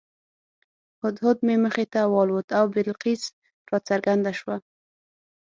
هدهد مې مخې ته والوت او بلقیس راڅرګنده شوه.